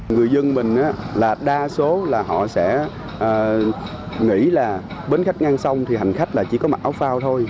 người dân mình là đa số là họ sẽ nghĩ là bến khách ngang sông thì hành khách là chỉ có mặc áo phao thôi